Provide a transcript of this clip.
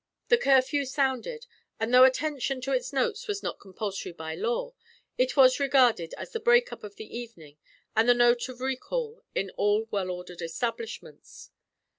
The curfew sounded, and though attention to its notes was not compulsory by law, it was regarded as the break up of the evening and the note of recall in all well ordered establishments.